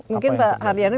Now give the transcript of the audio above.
mungkin pak hardiana